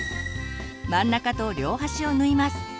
真ん中と両端を縫います。